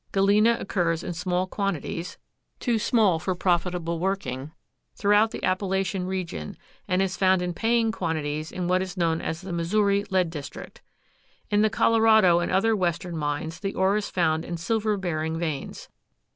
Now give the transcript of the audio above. Galena occurs in small quantities too small for profitable working throughout the Appalachian region, and is found in paying quantities in what is known as the Missouri lead district. In the Colorado and other western mines the ore is found in silver bearing veins.